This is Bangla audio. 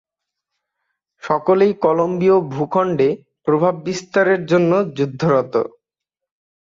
সকলেই কলম্বীয় ভূখন্ডে প্রভাব বিস্তারের জন্য যুদ্ধরত।